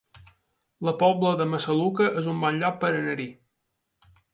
La Pobla de Massaluca es un bon lloc per anar-hi